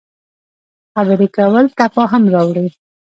خبرې کول تفاهم راوړي